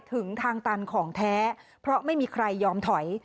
ถึงทางตันของแท้เพราะไม่มีใครยอมถอย